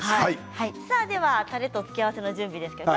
たれと付け合わせの準備ですね。